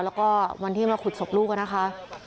แล้วก็วันที่มาขุดศพลูกนะคะ